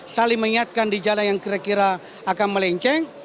saling mengingatkan di jalan yang kira kira akan melenceng